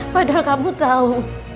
padahal kamu tahu